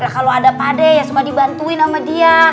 kalau ada pade ya cuma dibantuin sama dia